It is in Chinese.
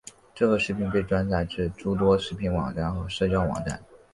这个视频被转载至诸多视频网站和社交网站。